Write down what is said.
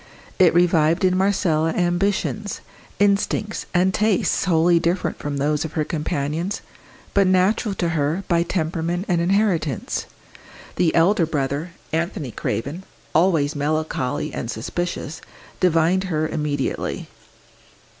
It revived in Marcella ambitions, instincts and tastes wholly different from those of her companions, but natural to her by temperament and inheritance. The elder brother, Anthony Craven, always melancholy and suspicious, divined her immediately.